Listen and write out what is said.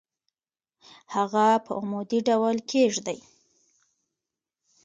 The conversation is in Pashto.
هغه په عمودي ډول کیږدئ.